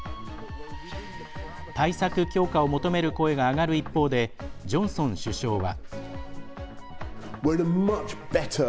対策強化を求める声が上がる一方でジョンソン首相は。